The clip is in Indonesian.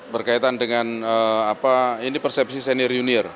berkaitan dengan apa ini persepsi senior junior